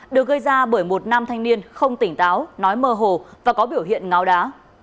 được gây ra bởi một nam thanh niên không tỉnh táo nói mơ hồ và có biểu hiện ngáo đá